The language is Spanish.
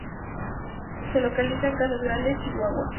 Se localiza en Casas Grandes, Chihuahua.